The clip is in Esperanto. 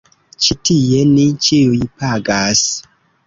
Ĉi tie ni ĉiuj pagas.